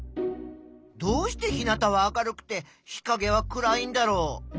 どうして日なたは明るくて日かげは暗いんだろう？